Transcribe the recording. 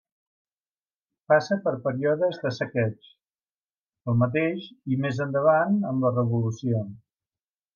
Passa per períodes de saqueig, al mateix i més endavant amb la Revolució.